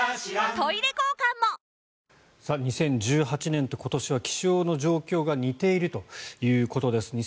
２０１８年と今年は気象の状況が似ているということです。